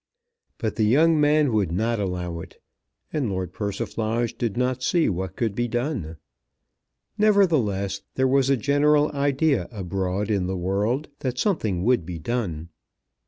But the young man would not allow it, and Lord Persiflage did not see what could be done. Nevertheless there was a general idea abroad in the world that something would be done.